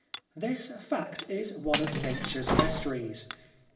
This fact is one of Nature's mysteries.